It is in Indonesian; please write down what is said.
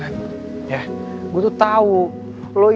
gue tuh tau lo itu sebenernya lagi banyak pikiran kan hati hati